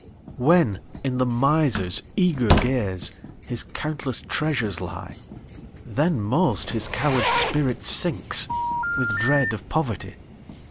When, in the miser's eager gaze, His countless treasures lie, Then most his coward spirit sinks, With dread of poverty.